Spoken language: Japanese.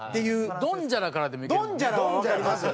ドンジャラからでもいけるもんね。